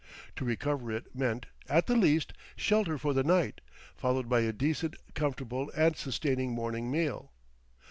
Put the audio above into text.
To recover it meant, at the least, shelter for the night, followed by a decent, comfortable and sustaining morning meal.